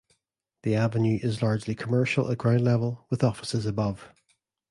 The avenue is largely commercial at ground level, with offices above.